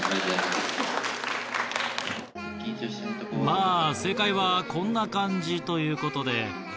まぁ正解はこんな感じということで。